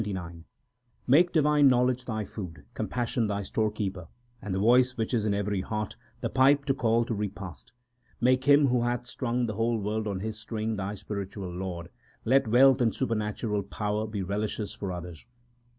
XXIX Make divine knowledge thy food, compassion thy store keeper, and the voice which is in every heart the pipe to call to repast. Make Him who hath strung the whole world on His string thy spiritual Lord ; let wealth and supernatural power be relishes for others.